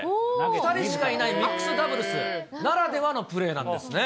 ２人しかいないミックスダブルスならではのプレーなんですね。